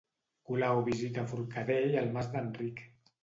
Colau visita Forcadell al Mas d'Enric.